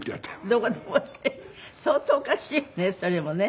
「どこでも」って相当おかしいねそれもね。